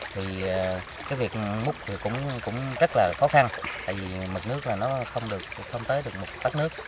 thì cái việc múc thì cũng rất là khó khăn tại vì mực nước là nó không tới được một bát nước